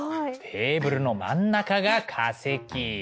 テーブルの真ん中が化石。